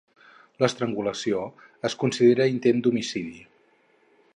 L'estrangulació es considera intent d'homicidi.